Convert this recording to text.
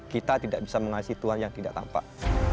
kita tidak bisa mengasih tuhan yang tidak tampak